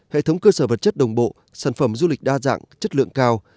hệ thống cơ sở vật chất đồng bộ sản phẩm du lịch đa dạng chất lượng cao